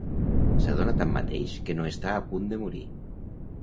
S'adona tanmateix que no està a punt de morir.